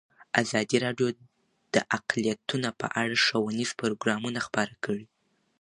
ازادي راډیو د اقلیتونه په اړه ښوونیز پروګرامونه خپاره کړي.